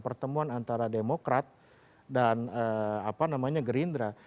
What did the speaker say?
pertemuan antara demokrat dan apa namanya gerindra